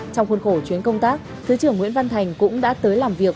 trong khuôn khổ chuyến công tác thứ trưởng nguyễn văn thành cũng đã tới làm việc